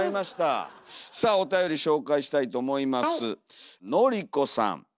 さあおたより紹介したいと思います。